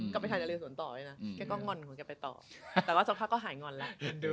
ไปทานนะเรสวนต่อด้วยนะแกก็งอนของแกไปต่อแต่ว่าสักพักก็หายงอนแล้ว